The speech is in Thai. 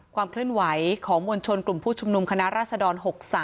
ความขึ้นไหวของมวลชนกลุ่มผู้ชุมนุมคณะราชดอล๖๓